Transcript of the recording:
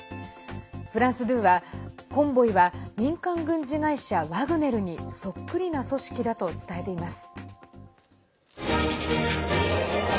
フランス２は、コンボイは民間軍事会社ワグネルにそっくりな組織だと伝えています。